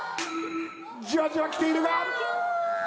じわじわきているが。